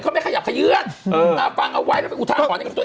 เขาไม่ขยับขยืดมาฟังเอาไว้แล้วไปกุธาขวานให้กับตัวเอง